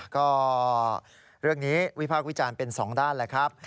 ก็เรื่องนี้วิพากษ์วิจารณ์เป็นสองด้านแหละครับ